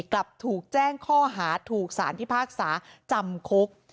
กลับถูกแจ้งข้อหาถูกสารพิพากษาจำคุก